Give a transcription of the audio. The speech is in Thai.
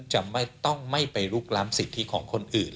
จะต้องไม่ไปลุกล้ำสิทธิของคนอื่น